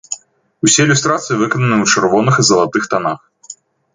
Усе ілюстрацыі выкананы ў чырвоных і залатых танах.